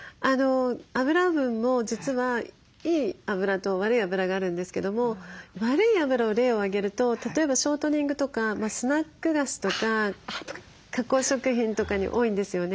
油分も実はいい油と悪い油があるんですけども悪い油を例を挙げると例えばショートニングとかスナック菓子とか加工食品とかに多いんですよね。